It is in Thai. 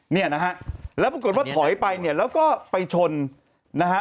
เนี่ยนะฮะแล้วปรากฏว่าถอยไปเนี่ยแล้วก็ไปชนนะฮะ